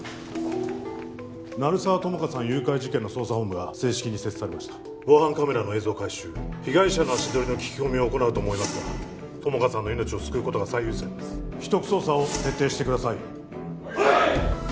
鳴沢友果さん誘拐事件の捜査本部が正式に設置されました防犯カメラの映像回収被害者の足取りの聞き込みを行うと思いますが友果さんの命を救うことが最優先です秘匿捜査を徹底してくださいはい！